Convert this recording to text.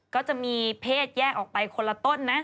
ก็จะมีเพศแยกออกไปคนละต้นนะ